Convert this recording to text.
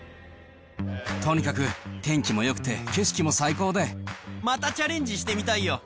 とにかく天気もよくて、またチャレンジしてみたいよ。